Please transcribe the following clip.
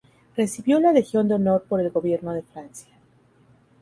Recibió la Legión de Honor por el Gobierno de Francia.